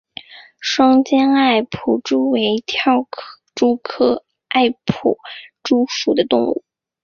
双尖艾普蛛为跳蛛科艾普蛛属的动物。